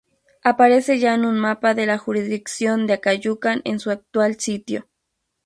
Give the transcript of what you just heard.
Aparece ya en un mapa de la jurisdicción de Acayucan en su actual sitio.